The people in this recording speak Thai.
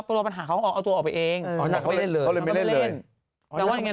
ตัวปัญหาเขาเอาตัวออกไปเองเขาเลยไม่เล่นเลยแต่ว่าอย่างเงี้ย